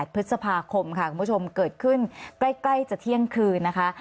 พฤษภาคมค่ะคุณผู้ชมเกิดขึ้นใกล้จะเที่ยงคืนนะคะ